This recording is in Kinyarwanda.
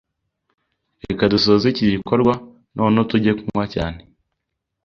Reka dusoze iki gikorwa noneho tujye kunywa cyane